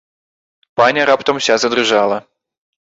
Паня раптам уся задрыжэла.